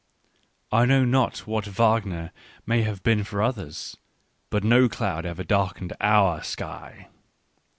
I know not what Wagner may have been for others ; but no cloud ever darkened our sky.